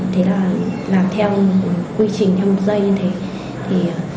thế là làm theo quy trình làm một giây như thế